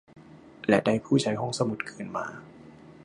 และได้ผู้ใช้ห้องสมุดคืนมา